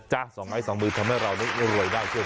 กันด้วยนะจ๊ะสองไอ้สองมือทำให้เรานักงานโรยได้เชื่อผม